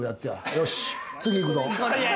よし、次行くぞ！